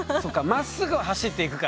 まっすぐは走っていくから。